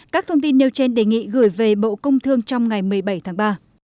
các thông tin nêu trên đề nghị gửi về bộ công thương trong ngày một mươi bảy tháng ba